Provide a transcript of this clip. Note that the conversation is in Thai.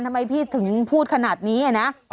ทำไมพี่ถึงพูดขนาดนี้นะ